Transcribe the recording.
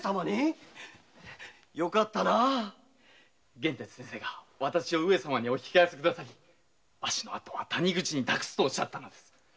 玄哲先生がわたしを上様にお引き合わせくださり「わしの後は谷口に託す」とおっしゃったのです。